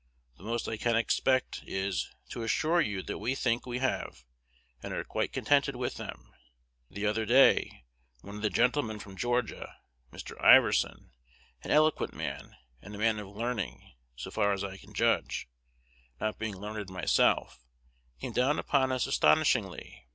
The most I can expect is, to assure you that we think we have, and are quite contented with them. The other day, one of the gentlemen from Georgia (Mr. Iverson), an eloquent man, and a man of learning, so far as I can judge, not being learned myself, came down upon us astonishingly.